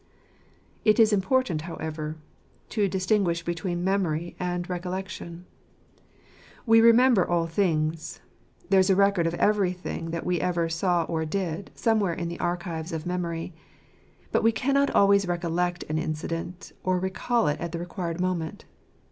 It is important \ however, to distinguish between memory and recollection.' • We remember all things ; there is a record of everything that ever we saw or did, somewhere in the archives of memory ; but we cannot always recollect an incident, or recal it at the required moment.